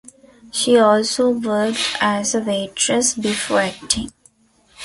She also worked as a waitress before acting.